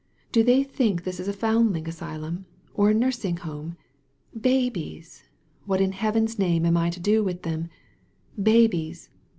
Do they think this is a foundling asylum? or a nursing home? Babies! What in Heaven's name am I to do with them? Babies!